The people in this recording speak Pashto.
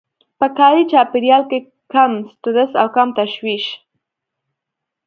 په کاري چاپېريال کې کم سټرس او کم تشويش.